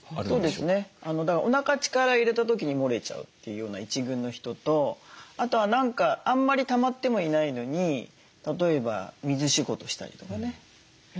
そうですねだからおなか力入れた時にもれちゃうというような一群の人とあとは何かあんまりたまってもいないのに例えば水仕事したりとかね